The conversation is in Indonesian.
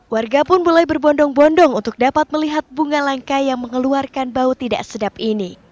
warga pun mulai berbondong bondong untuk dapat melihat bunga langka yang mengeluarkan bau tidak sedap ini